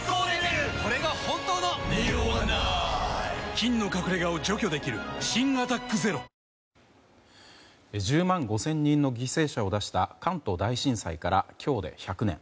菌の隠れ家を除去できる新「アタックＺＥＲＯ」１０万５０００人の犠牲者を出した関東大震災から今日で１００年。